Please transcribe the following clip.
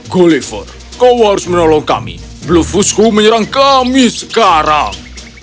gulliver kau harus menolong kami blufusku menyerang kami sekarang